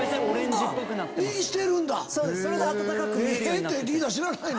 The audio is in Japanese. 「へぇ」ってリーダー知らないの⁉